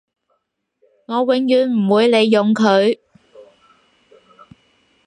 我永遠唔會利用佢